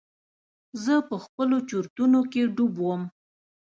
زه په خپلو چورتونو کښې ډوب وم.